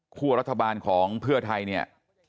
ผู้เรศราบาลของเพื่อไทยเนี่ย